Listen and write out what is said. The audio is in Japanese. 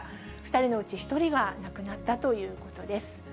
２人のうち１人が亡くなったということです。